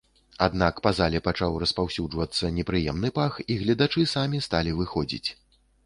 Аднак па зале пачаў распаўсюджвацца непрыемны пах і гледачы самі сталі выходзіць.